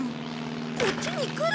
こっちに来る！？